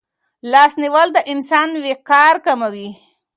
لاس نیول د انسان وقار کموي.